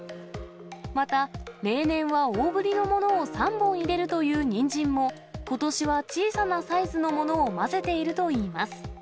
また、例年は大ぶりのものを３本入れるというニンジンも、ことしは小さなサイズのものを混ぜているといいます。